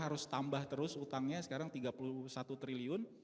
jadi mereka harus tambah terus utangnya sekarang tiga puluh satu triliun